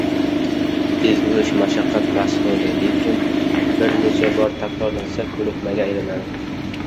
Ezgu ish mashaqqat mahsuli, lekin bu bir necha bor takrorlansa ko‘nikmaga aylanadi.